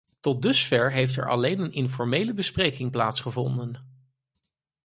Tot dusver heeft er alleen een informele bespreking plaatsgevonden.